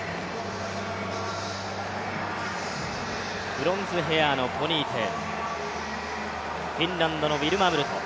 ブロンズヘアーのポニーテール、フィンランドのウィルマ・ムルト。